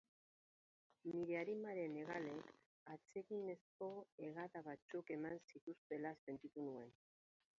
Nire arimaren hegalek atseginezko hegada batzuk eman zituztela sentitu nuen.